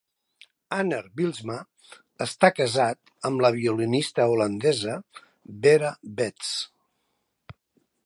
Anner Bylsma està casat amb la violinista holandesa Vera Beths.